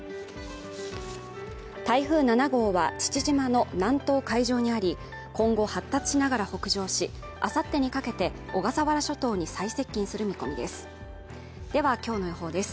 台風７号は父島の南東海上にあり今後発達しながら北上しあさってにかけて小笠原諸島に最接近する見込みですではきょうの予報です